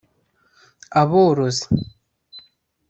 aborozi